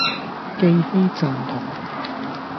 既非贊同，